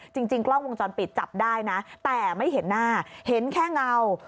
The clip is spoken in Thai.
จริงกล้องวงจรปิดจับได้นะแต่ไม่เห็นหน้าเห็นแค่เงา